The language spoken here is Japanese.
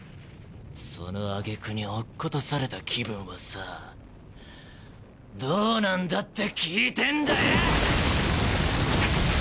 その挙句に落っことされた気分はさどうなんだって聞いてんだよ！